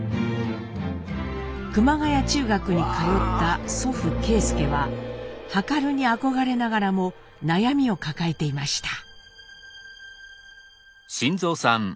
熊谷中学に通った祖父啓介は量に憧れながらも悩みを抱えていました。